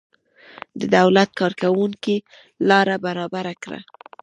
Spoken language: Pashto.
د دولت کارکوونکیو لاره برابره کړه.